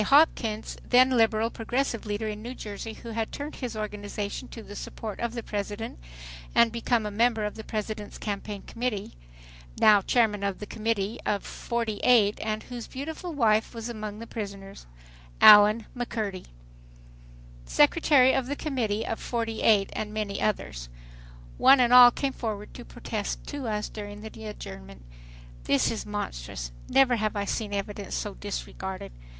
H. Hopkins, then liberal progressive leader in New Jersey who had turned his organization to the support of the President and become a member of the President's Campaign Committee, now chairman of the Committee of Fortyeight and whose beautiful wife was among the prisoners, Allen McCurdy, secretary of the Committee of Forty eight and many others. One and all came forward to protest to us during the adjournment. "This is monstrous." ... "Never have I seen evidence so disregarded."